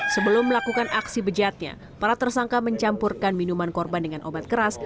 sebelum melakukan aksi bejatnya para tersangka mencampurkan minuman korban dengan obat keras